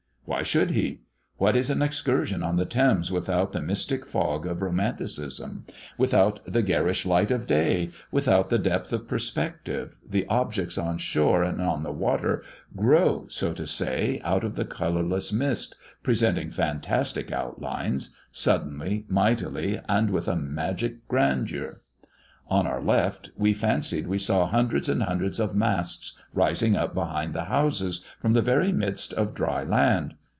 Why should he? What is an excursion on the Thames without the mystic fog of Romanticism? Without the garish light of day, without the depth of perspective, the objects on shore and on the water grow so to say out of the colourless mist, presenting fantastic outlines suddenly, mightily, and with a magic grandeur. On our left we fancied we saw hundreds and hundreds of masts rising up behind the houses, from the very midst of dry land.